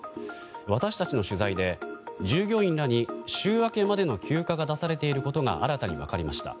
私たちの取材で、従業員らに週明けまでの休暇が出されていることが新たに分かりました。